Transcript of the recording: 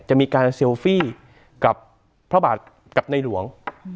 จะมีการเซลฟี่กับพระบาทกับในหลวง